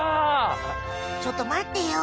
ちょっとまってよ。